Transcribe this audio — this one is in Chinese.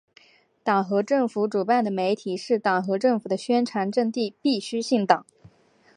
党和政府主办的媒体是党和政府的宣传阵地，必须姓党。